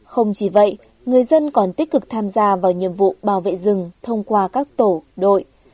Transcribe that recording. không chỉ vậy người dân còn tích cực tham gia vào nhiệm vụ bảo vệ rừng thông qua các tổ đội